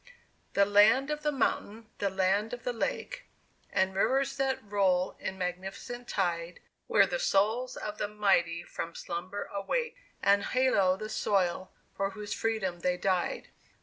The land of the mountain, the land of the lake, And rivers that roll in magnificent tide Where the souls of the mighty from slumber awake, And hallow the soil for whose freedom they died!